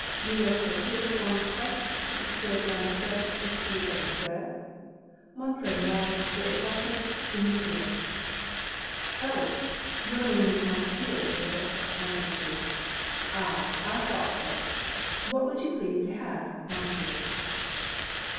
Milor croit'il qu'on peut subsister dans cette espece d'enfer? Montré moi les apartements de Monsieur.' 'Oh, your name is Mounseer, is it?' answered she 'Aye, I thought so What would you please to have, Mounseer?'